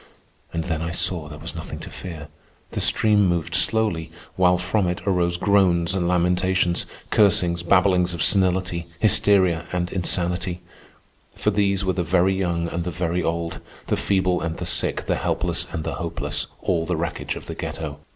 And then I saw there was nothing to fear. The stream moved slowly, while from it arose groans and lamentations, cursings, babblings of senility, hysteria, and insanity; for these were the very young and the very old, the feeble and the sick, the helpless and the hopeless, all the wreckage of the ghetto.